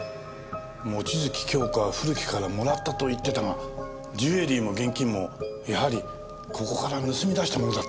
望月京子は古木からもらったと言ってたがジュエリーも現金もやはりここから盗み出したものだったんだ。